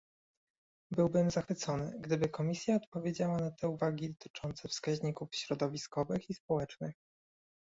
Byłbym zachwycony, gdyby Komisja odpowiedziała na te uwagi dotyczące wskaźników środowiskowych i społecznych